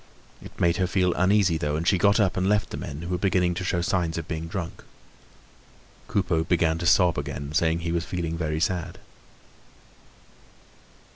It made her feel uneasy though and she got up and left the men who were beginning to show signs of being drunk. Coupeau began to sob again, saying he was feeling very sad.